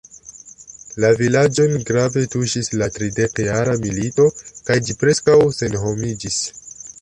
La vilaĝon grave tuŝis la tridekjara milito kaj ĝi preskaŭ senhomiĝis.